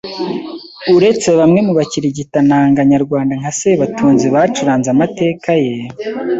Uretse bamwe mu bakirigitananga-nyarwanda nka Sebatunzi bacuranze amateka ye